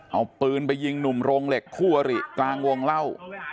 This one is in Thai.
เอาปืนไปยิงหนุ่มโรงเหล็กคู่อริกลางวงเล่า